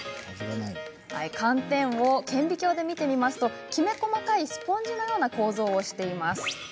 寒天を顕微鏡で見るときめ細かいスポンジのような構造をしています。